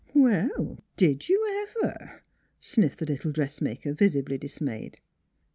' Well, did you ever !" sniffed the little dress maker, visibly dismayed.